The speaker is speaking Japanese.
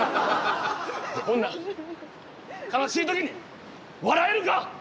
こんな悲しいときに笑えるか！